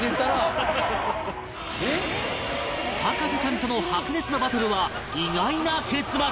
博士ちゃんとの白熱のバトルは意外な結末に